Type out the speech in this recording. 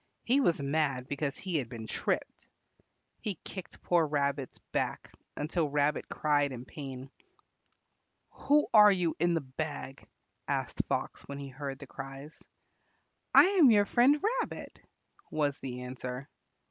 He was mad because he had been tripped. He kicked poor Rabbit's back until Rabbit cried in pain. "Who are you in the bag?" asked Fox when he heard the cries. "I am your friend Rabbit," was the answer.